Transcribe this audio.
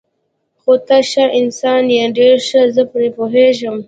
خو ته ښه انسان یې، ډېر ښه، زه پرې پوهېږم.